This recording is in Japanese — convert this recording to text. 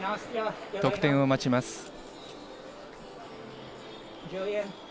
得点を待ちます。